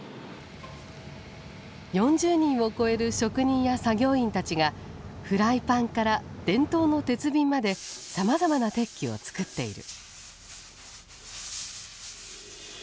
４０人を超える職人や作業員たちがフライパンから伝統の鉄瓶までさまざまな鉄器を作っている。